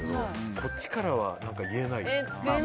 こっちからは言えない。